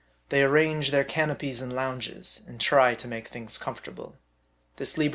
THEY ARRANGE THEIR CANOPIES AND LOUNGES, AND TRY TO MAKE THINGS COMFORTABLE.